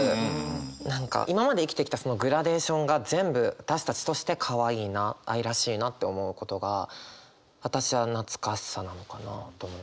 何か今まで生きてきたそのグラデーションが全部私たちとしてかわいいな愛らしいなって思うことが私は懐かしさなのかなと思いますね。